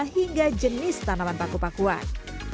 hingga jenis tanaman paku pakuan